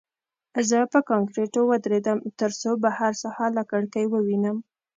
زه په کانکریټو ودرېدم ترڅو بهر ساحه له کړکۍ ووینم